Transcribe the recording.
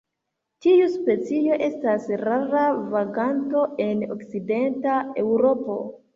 Tiu specio estas rara vaganto en okcidenta Eŭropo.